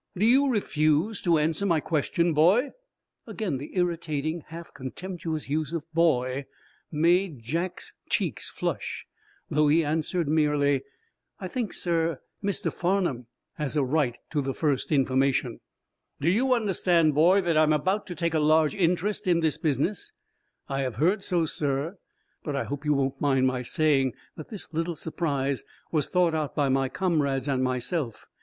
"Do you refuse to answer my question, boy?" Again the irritating, half contemptuous use of "boy" made Jack's cheeks flush, though he answered merely: "I think, sir, Mr. Farnum has a right to the first information." "Do you understand, boy, that I am about to take a large interest in this business?" "I have heard so, sir. But I hope you won't mind my saying that this little surprise was thought out by my comrades and myself.